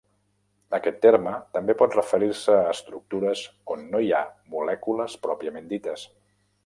Aquest terme també pot referir-se a estructures on no hi ha molècules pròpiament dites.